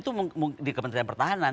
itu di kementerian pertahanan